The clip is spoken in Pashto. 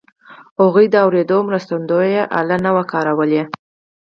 هغوی د اورېدو مرستندويي الې نه وې کارولې